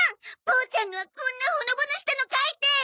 ボーちゃんのはこんなほのぼのしたの描いて！